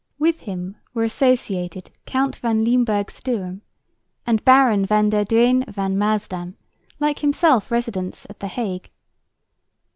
With him were associated Count Van Limburg Stirum and Baron Van der Duyn van Maasdam, like himself residents at the Hague.